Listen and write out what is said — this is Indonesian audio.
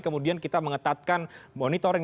kemudian kita mengetatkan monitoring